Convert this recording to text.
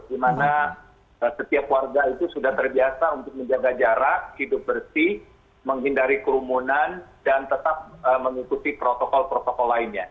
di mana setiap warga itu sudah terbiasa untuk menjaga jarak hidup bersih menghindari kerumunan dan tetap mengikuti protokol protokol lainnya